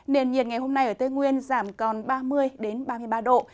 nền nhiệt ngày hôm nay ở tây nguyên giảm còn ba mươi ba mươi ba độ